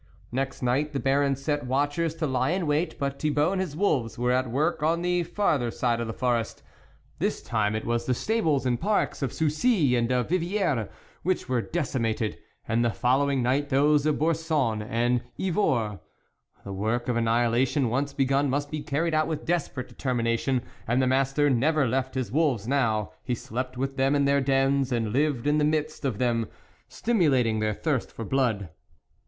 Next night the Baron set watchers to lie in wait, but Thibault and his wolves were at work oa the farther 100 THE WOLF LEADER side of the forest. This time it was the stables and parks of Soucy and of Vivieres which were decimated, and the following night those of Boursonnes and Yvors. The work of annihilation, once begun, must be carried out with desperate deter mination, and the master never left his wolves now ; he slept with them in their dens, and lived in the midst of them, stimulating their thirst for blood.